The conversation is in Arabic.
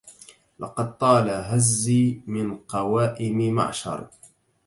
لقد طال هزي من قوائم معشر